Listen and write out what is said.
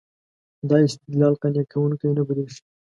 دا استدلال قانع کوونکی نه برېښي.